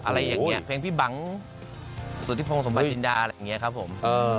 อะไรอย่างนี้เพลงพี่บังสุธิพงศ์สมบัติจินดาอะไรอย่างนี้ครับผม